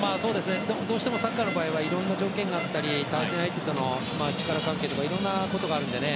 どうしてもサッカーの場合いろんな条件があったり対戦相手との力関係とかいろんなことがあるのでね。